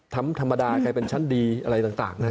ธรรมดาใครเป็นชั้นดีอะไรต่างนะ